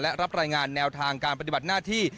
และรับรายงานแนวทางการปฏิบัติหน้าที่